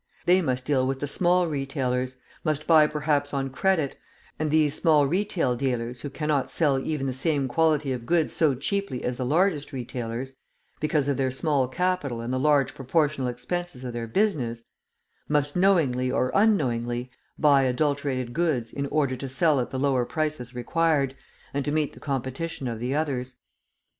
They must deal with the small retailers, must buy perhaps on credit, and these small retail dealers who cannot sell even the same quality of goods so cheaply as the largest retailers, because of their small capital and the large proportional expenses of their business, must knowingly or unknowingly buy adulterated goods in order to sell at the lower prices required, and to meet the competition of the others.